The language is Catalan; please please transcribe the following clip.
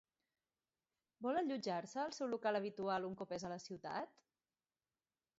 Vol allotjar-se al seu local habitual un cop és a la ciutat?